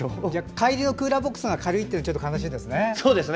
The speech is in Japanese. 帰りのクーラーボックスが軽いってちょっと悲しいですね。